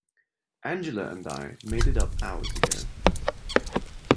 Angela and I made it up hours ago.